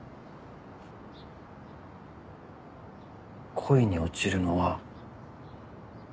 恋に落ちるのは。